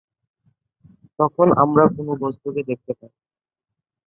তখন আমরা কোন বস্তুকে দেখতে পাই।